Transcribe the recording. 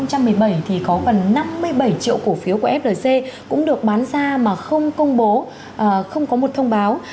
năm hai nghìn một mươi bảy thì có gần năm mươi bảy triệu cổ phiếu của flc cũng được bán ra mà không công bố không có một thông báo